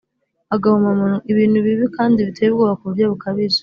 agahomamunwa: ibintu bibi kandi biteye ubwoba ku buryo bukabije